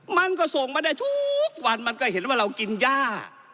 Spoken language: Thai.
มันก็ส่งมาได้ทุกวันมันก็เห็นว่าเรากินย่า